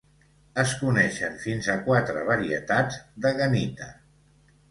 Es coneixen fins a quatre varietats de gahnita.